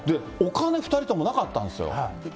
お金２人ともなかったんですよ。